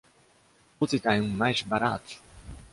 Você tem um mais barato?